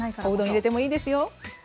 おうどん入れてもいいですよ。